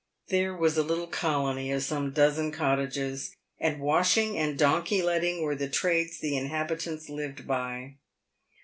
There was a little colony of some dozen cottages, and washing and donkey letting were the trades the inhabitants lived by.